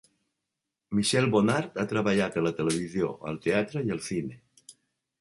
Michelle Bonnard ha treballat a la televisió, el teatre i el cine.